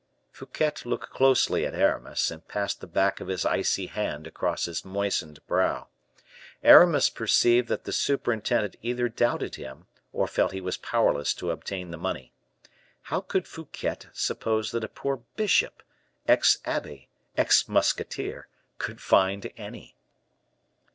Fouquet looked closely at Aramis, and passed the back of his icy hand across his moistened brow. Aramis perceived that the superintendent either doubted him, or felt he was powerless to obtain the money. How could Fouquet suppose that a poor bishop, ex abbe, ex musketeer, could find any?